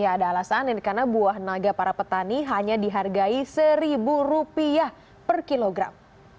ya ada alasan ini karena buah naga para petani hanya dihargai rp satu per kilogram